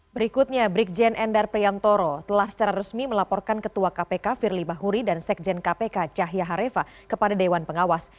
berikutnya brigjen endar priantoro telah secara resmi melaporkan ketua kpk firly bahuri dan sekjen kpk cahya harefa kepada dewan pengawas